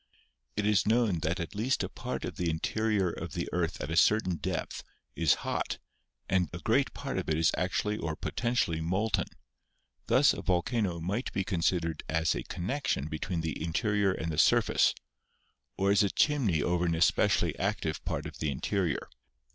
It is known that at least a part of the interior of the earth at a certain depth is hot and that a great part of it is actually or potentially molten. Thus a volcano might be considered as a connection be tween the interior and the surface, or as a chimney over an especially active part of the interior.